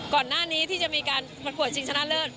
ก่อนหน้านี้ที่จะมีการประกวดชิงชนะเลิศ